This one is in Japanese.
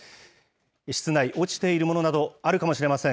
室内、落ちているものなどあるかもしれません。